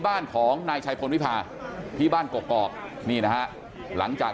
บ้านของนายชัยพลวิพาที่บ้านกอกนี่นะฮะหลังจาก